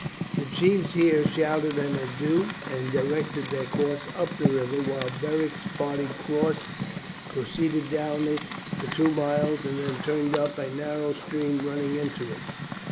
The chiefs here shouted an adieu and directed their course up the river, while Beric's party crossed, proceeded down it for two miles, and then turned up a narrow stream running into it.